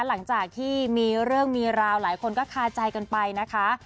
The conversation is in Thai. หลังจากที่มีเรื่องมีราวหลายคนก็คาใจกันไปนะคะ